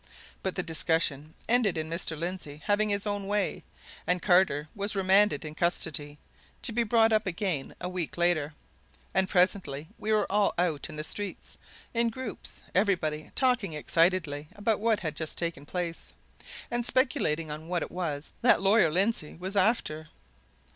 But the discussion ended in Mr. Lindsey having his own way, and Carter was remanded in custody, to be brought up again a week later; and presently we were all out in the streets, in groups, everybody talking excitedly about what had just taken place, and speculating on what it was that Lawyer Lindsey was after.